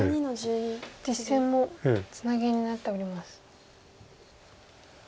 実戦もツナギになっております。